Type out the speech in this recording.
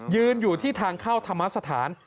อยู่ที่ทางเข้าธรรมสถาน